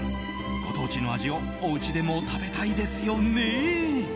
ご当地の味をおうちでも食べたいですよね。